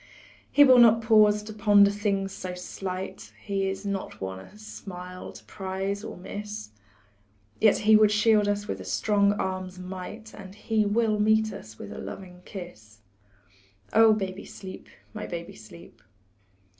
He will not pause to ponder things so slight, He is not one a smile to prize or miss; Yet he would shield us with a strong arm's might, And he will meet us with a loving kiss Oh, baby, sleep, my baby, sleep.